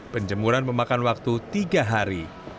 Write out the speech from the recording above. penjemuran memakan waktu tiga hari